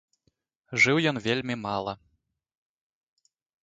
Жыў ён вельмі мала.